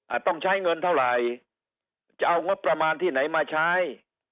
ต้องใช้เงินเท่าไหร่จะเอางบประมาณที่ไหนมาใช้